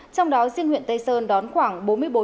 trong đó riêng huyện tây sơn đón khoảng